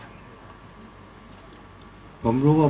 ก็ต้องทำอย่างที่บอกว่าช่องคุณวิชากำลังทำอยู่นั่นนะครับ